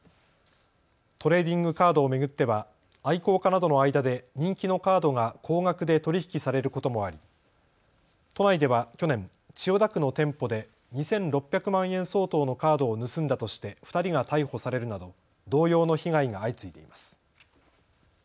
トレーディングカードを巡っては愛好家などの間で人気のカードが高額で取り引きされることもあり都内では去年、千代田区の店舗で２６００万円相当のカードを盗んだとして２人が逮捕されるなど同様の被害が相次いでいます。